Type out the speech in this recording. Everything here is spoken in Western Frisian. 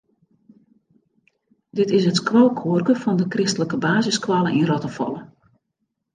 Dit is it skoalkoarke fan de kristlike basisskoalle yn Rottefalle.